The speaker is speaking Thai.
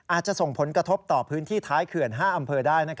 อาจจะส่งผลกระทบต่อพื้นที่ท้ายเขื่อน๕อำเภอได้